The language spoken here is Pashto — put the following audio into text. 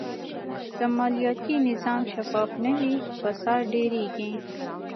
که مالیاتي نظام شفاف نه وي، فساد ډېرېږي.